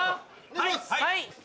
はい！